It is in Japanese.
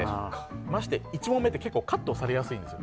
ましてや１問目ってカットされやすいんですよ。